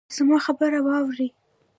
زما خبره واورئ